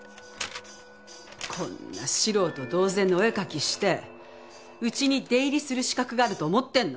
こんな素人同然のお絵描きしてうちに出入りする資格があると思ってるの？